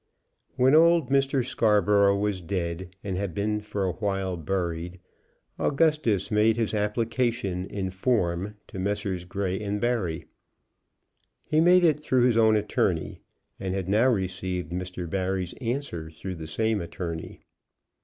When old Mr. Scarborough was dead, and had been for a while buried, Augustus made his application in form to Messrs. Grey & Barry. He made it through his own attorney, and had now received Mr. Barry's answer through the same attorney.